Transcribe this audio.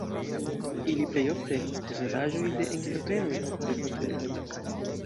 Ili plej ofte estas posedaĵoj de entreprenoj aŭ privatuloj.